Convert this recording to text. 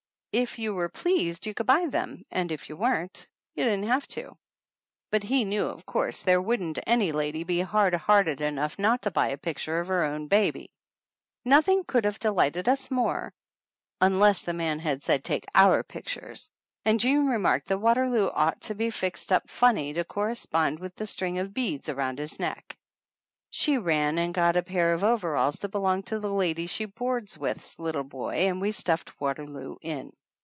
If you were pleased you could buy them and if you weren't you didn't have to. But he knew of course there wouldn't any lady be hard hearted enough not to buy a picture of her own baby. Nothing could have delighted us more, un less the man had said take our pictures; and Jean remarked that Waterloo ought to be fixed up funny to correspond with the string of beads around his neck. She ran and got a pair of overalls that belonged to the lady she boards with's little boy and we stuffed Waterloo in.